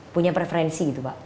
punya preferensi gitu pak